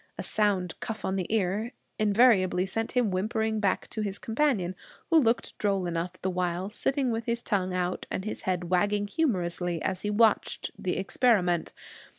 A sound cuff on the ear invariably sent him whimpering back to his companion, who looked droll enough the while, sitting with his tongue out and his head wagging humorously as he watched the experiment.